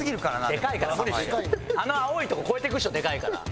あの青いとこ越えていくでしょでかいから。